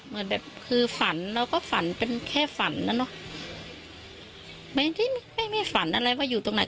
เหมือนแบบคือฝันเราก็ฝันเป็นแค่ฝันนะเนอะไม่ได้ไม่ไม่ฝันอะไรว่าอยู่ตรงไหน